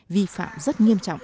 vi phạm rất nghiêm trọng